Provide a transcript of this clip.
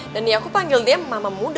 dan ya aku panggil dia mama muda